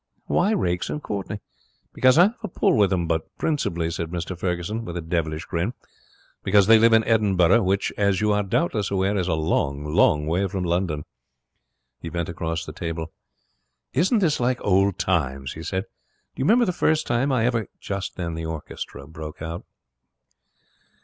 'Why Raikes and Courtenay?' 'Because I have a pull with them. But principally,' said Mr Ferguson, with a devilish grin, 'because they live in Edinburgh, which, as you are doubtless aware, is a long, long way from London.' He bent across the table. 'Isn't this like old times?' he said. 'Do you remember the first time I ever ki ' Just then the orchestra broke out.